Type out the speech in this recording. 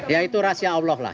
ya itu rahasia allah lah